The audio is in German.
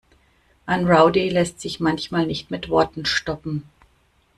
Ein Rowdy lässt sich manchmal nicht mit Worten stoppen.